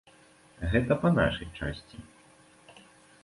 Гэта па нашай часці.